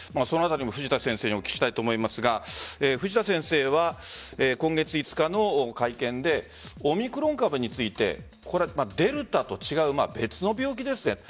そのあたりも藤田先生にお聞きしたいと思いますが藤田先生は今月５日の会見でオミクロン株についてデルタと違う別の病気ですね。